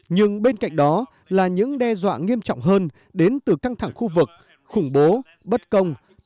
nhưng bên cạnh đó là những đe dọa nghiêm trọng hơn đến từ căng thẳng khu vực khủng bố bất công